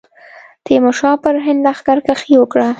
تیمورشاه پر هند لښکرکښي وکړه.